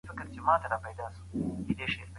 افغان پوځ څنګه ځان پانی پت ته ورساوه؟